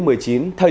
thời điểm này là